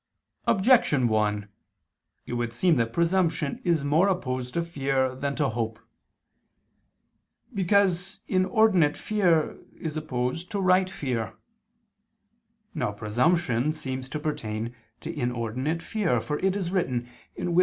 Objection 1: It would seem that presumption is more opposed to fear than to hope. Because inordinate fear is opposed to right fear. Now presumption seems to pertain to inordinate fear, for it is written (Wis.